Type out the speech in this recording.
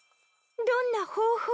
どんな方法でも。